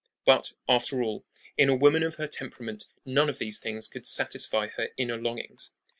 But, after all, in a woman of her temperament none of these things could satisfy her inner longings.